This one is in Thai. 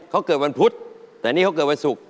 เขาเกิดวันพุธแต่นี่เขาเกิดวันศุกร์